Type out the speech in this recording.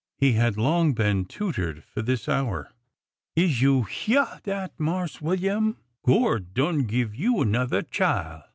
He had long been tutored for this hour. Is you hyeah dat, Marse William? Gord done give you another chile